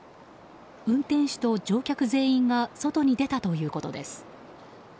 運転手と乗客全員が外に出たということです。